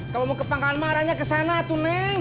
kalo mau ke pangkalan marahnya kesana tuh neng